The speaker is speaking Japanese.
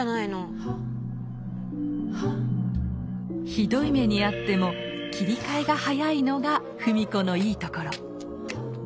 ひどい目に遭っても切り替えが早いのが芙美子のいいところ。